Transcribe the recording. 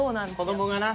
子供がな。